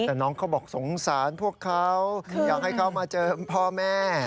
แต่น้องเขาบอกสงสารพวกเขาอยากให้เขามาเจอพ่อแม่